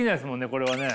これはね。